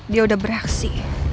dia udah beraksi